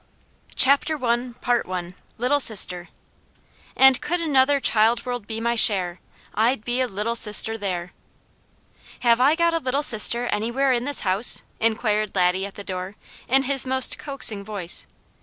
CHAPTER I Little Sister "And could another child world be my share, I'd be a Little Sister there." "Have I got a Little Sister anywhere in this house?" inquired Laddie at the door, in his most coaxing voice.